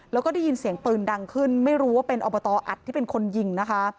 แล้วก็ได้ยินเสียงปืนดังขึ้นไม่รู้ว่าเป็นอบตอัดที่เป็นคนยิงนะคะ